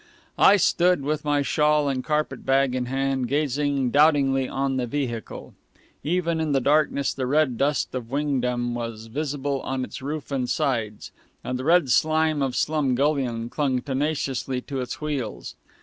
I stood with my shawl and carpetbag in hand, gazing doubtingly on the vehicle. Even in the darkness the red dust of Wingdam was visible on its roof and sides, and the red slime of Slumgullion clung tenaciously to its wheels.